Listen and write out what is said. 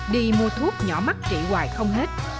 đi mua thuốc nhỏ mắt trị hoài không hết